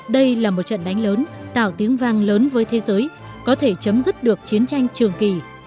đây là một trận đánh lớn tạo tiếng vang lớn với thế giới có thể chấm dứt được chiến tranh trường kỳ